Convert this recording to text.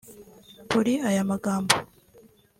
Kuri aya magambo